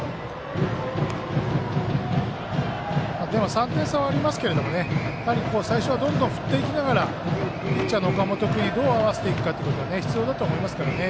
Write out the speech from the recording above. ３点差はありますけど最初はどんどん振っていきながらピッチャーの岡本君にどう合わせていくかということが必要だと思いますからね。